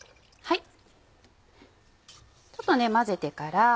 ちょっと混ぜてから。